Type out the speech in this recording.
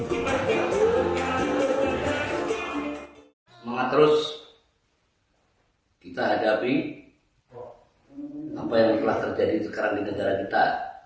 semangat terus kita hadapi apa yang telah terjadi sekarang di negara kita